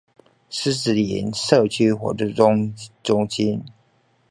獅子林社區活動中心